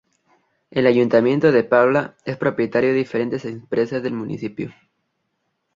El ayuntamiento de Parla es propietario de diferentes empresas del municipio.